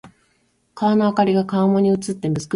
街の灯りが川面に映って美しい。